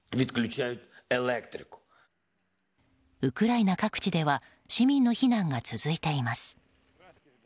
ウクライナ各地では市民の避難が続いています。